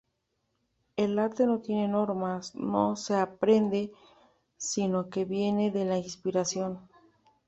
El arte no tiene normas, no se aprende, sino que viene de la inspiración.